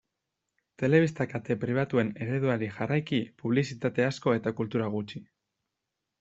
Telebista kate pribatuen ereduari jarraiki publizitate asko eta kultura gutxi.